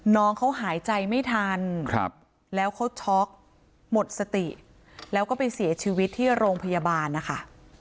น้องเขาหายใจไม่ทันแล้วเขาช็อกหมดสติแล้วก็ไปเสียชีวิตที่โรงพยาบาลนะคะ